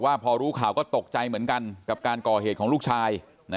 พอรู้ข่าวก็ตกใจเหมือนกันกับการก่อเหตุของลูกชาย